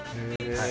はい。